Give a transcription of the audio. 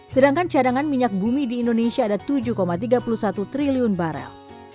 sedangkan cadangan minyak bumi di indonesia ada tujuh tiga puluh satu triliun barel